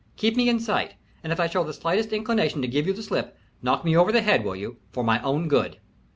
Keep me in sight, and if I show the slightest inclination to give you the slip, knock me over the head, will you, for my own good?"